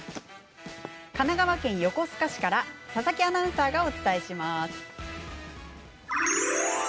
神奈川県横須賀市から佐々木アナウンサーがお伝えします。